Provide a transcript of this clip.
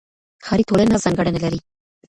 ښاري ټولنه ځانګړنې لري.